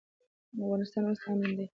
افغانستان اوس امن دی.